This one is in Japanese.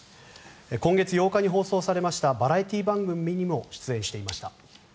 今月８日に放送されたバラエティー番組にも出演していました。